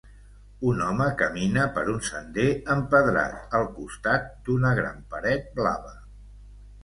Un home camina per un sender empedrat, al costat d'una gran paret blava.